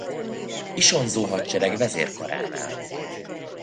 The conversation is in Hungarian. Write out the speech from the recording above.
Isonzó-hadsereg vezérkaránál.